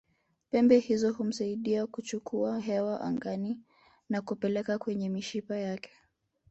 Pembe hizo humsaidia kuchukua hewa angani na kupeleka kwenye mishipa yake